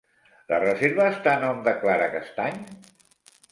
La reserva estava a nom de Clara Castany?